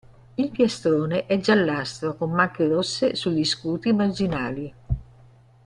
Il piastrone è giallastro con macchie rosse sugli scuti marginali.